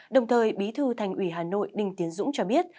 đồng thời bí thư thành ủy hà nội đinh tiến dũng cho biết